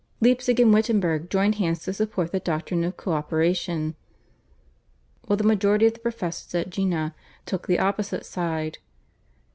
Leipzig and Wittenberg joined hands to support the doctrine of co operation, while the majority of the professors at Jena took the opposite side.